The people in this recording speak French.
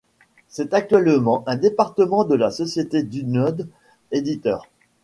C'est actuellement un département de la société Dunod Editeur.